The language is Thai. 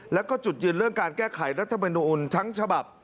แล้วก็จุดยืนเรื่องการแก้ไขรัฐมนุนทั้งฉบับ